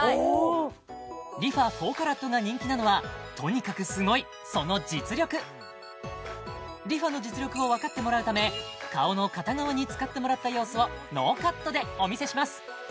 ＲｅＦａ４ＣＡＲＡＴが人気なのはとにかくすごいその実力ＲｅＦａの実力をわかってもらうため顔の片側に使ってもらった様子をノーカットでお見せします